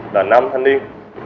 đàn nam thanh niên